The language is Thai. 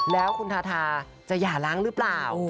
แล้วคุณทาทาจะหย่าล้างหรือเปล่า